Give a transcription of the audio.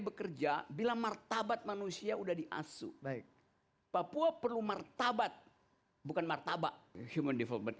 bekerja bila martabat manusia udah diasuh baik papua perlu martabat bukan martabak human development